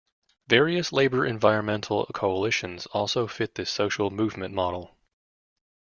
Various labour-environmental coalitions also fit this social movement model.